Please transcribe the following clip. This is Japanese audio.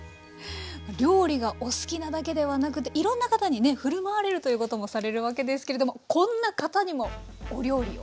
料理がお好きなだけではなくていろんな方にふるまわれるということもされるわけですけれどもこんな方にもお料理を。